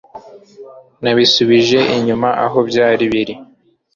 Nabisubije inyuma aho byari biri.